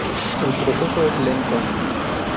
El proceso es lento.